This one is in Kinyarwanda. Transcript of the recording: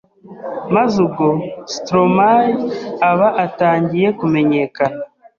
maze ubwo Stromae aba atangiye kumenyekana